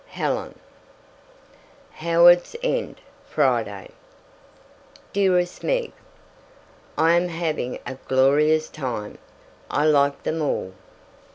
Helen HOWARDS END, FRIDAY. Dearest Meg, I am having a glorious time. I like them all.